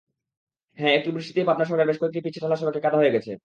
হঠাৎ একটু বৃষ্টিতেই পাবনা শহরের বেশ কয়েকটি পিচ ঢালা সড়কে কাদা হয়ে গেছে।